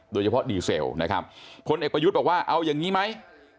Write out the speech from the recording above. โดยเฉพาะดีเซลนะครับพลเอกประยุทธ์บอกว่าเอาอย่างนี้ไหม